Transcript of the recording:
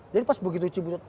jadi pas begitu cibutet